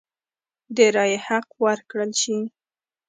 د رایې حق ورکړل شي.